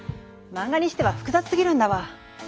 漫画にしては複雑すぎるんだわ。